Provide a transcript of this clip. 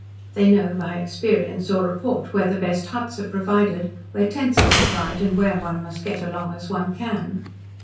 They know by experience or report where the best "huts" are provided, where tents are supplied, and where one must get along as one can.